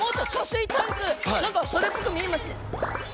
何かそれっぽく見えますね。